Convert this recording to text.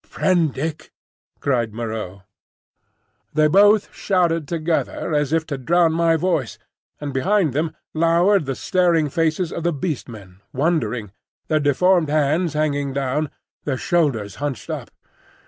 "Prendick!" cried Moreau. They both shouted together, as if to drown my voice; and behind them lowered the staring faces of the Beast Men, wondering, their deformed hands hanging down, their shoulders hunched up.